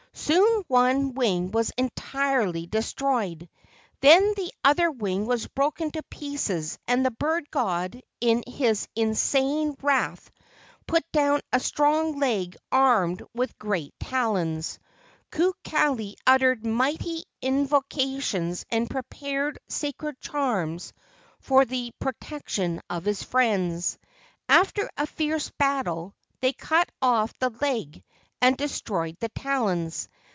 Soon one wing was entirely destroyed. Then the other wing was broken to pieces and the bird god in his insane wrath put down a strong leg armed with great talons. Kukali uttered mighty invo¬ cations and prepared sacred charms for the pro¬ tection of his friends. After a fierce battle they cut off the leg and destroyed the talons.